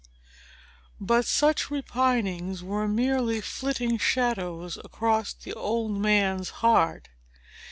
But such repinings were merely flitting shadows across the old man's heart.